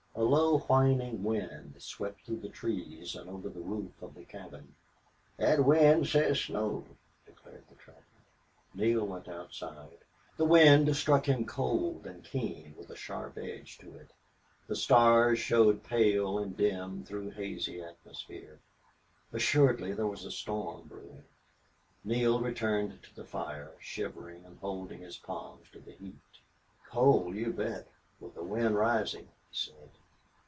A low, whining wind swept through the trees and over the roof of the cabin. "Thet wind says snow," declared the trapper. Neale went outside. The wind struck him cold and keen, with a sharp edge to it. The stars showed pale and dim through hazy atmosphere. Assuredly there was a storm brewing. Neale returned to the fire, shivering and holding his palms to the heat. "Cold, you bet, with the wind rising," he said.